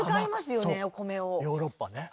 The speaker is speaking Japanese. ヨーロッパね。